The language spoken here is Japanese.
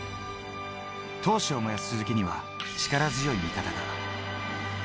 闘志を燃やす鈴木には力強い味方が。